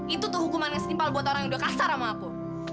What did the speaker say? itu tuh hukuman yang setimpal buat orang yang udah kasar sama aku